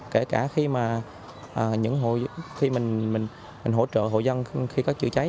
kể cả khi mà những hộ dân khi mình hỗ trợ hộ dân khi có chữa cháy